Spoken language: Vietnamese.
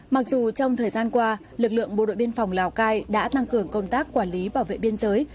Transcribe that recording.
mặc dù trong thời gian qua lực lượng bộ đội biên phòng lào cai đã tăng cường công tác quản lý bảo vệ biên giới